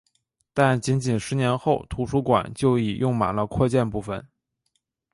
但仅仅十年后图书馆就已用满了扩建部分。